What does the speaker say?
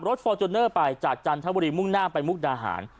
ฟอร์จูเนอร์ไปจากจันทบุรีมุ่งหน้าไปมุกดาหาร